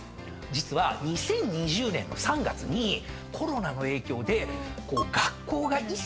実は２０２０年の３月にコロナの影響で学校が一斉休校になったやないですか。